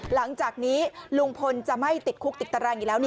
หลังจากนี้ลุงพลจะไม่ติดคุกติดตารางอีกแล้ว